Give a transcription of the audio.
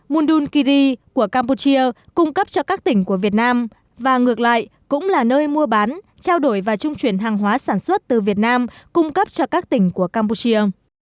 mondunkiri của campuchia cung cấp cho các tỉnh của việt nam và ngược lại cũng là nơi mua bán trao đổi và trung chuyển hàng hóa sản xuất từ việt nam cung cấp cho các tỉnh của campuchia